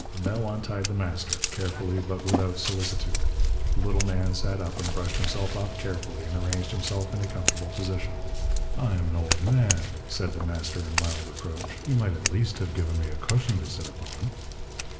Bell untied The Master, carefully but without solicitude. The little man sat up, and brushed himself off carefully, and arranged himself in a comfortable position. "I am an old man," said The Master in mild reproach. "You might at least have given me a cushion to sit upon."